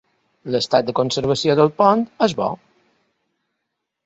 L'estat de conservació del pont és bo.